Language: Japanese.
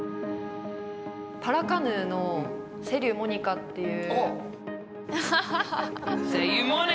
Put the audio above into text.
パラカヌーの瀬立モニカっていう。